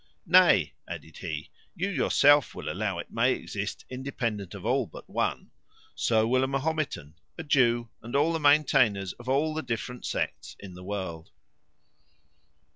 Nay," added he, "you yourself will allow it may exist independent of all but one: so will a Mahometan, a Jew, and all the maintainers of all the different sects in the world."